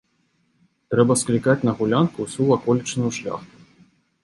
Трэба склікаць на гулянку ўсю ваколічную шляхту.